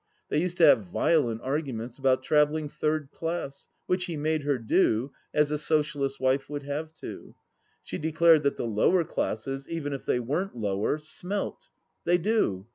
They used to have violent arguments about travelling third class, which he made her do, as a socialist's wife would have to. She declared that the lower classes, even if they weren't lower, smelt. They do.